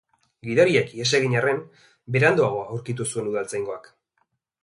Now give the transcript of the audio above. Gidariak ihes egin arren, beranduago aurkitu zuen udaltzaingoak.